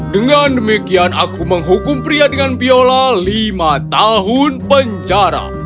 dengan demikian aku menghukum pria dengan biola lima tahun penjara